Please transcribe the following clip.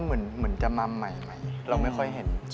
เหมือนจะมาใหม่เราไม่ค่อยเห็น